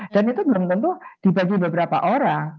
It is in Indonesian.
dan itu belum tentu dibagi beberapa orang